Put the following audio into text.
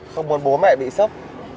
không muốn bố mẹ bị sốc